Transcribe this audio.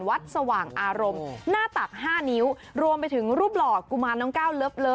สว่างอารมณ์หน้าตัก๕นิ้วรวมไปถึงรูปหล่อกุมารน้องก้าวเลิฟ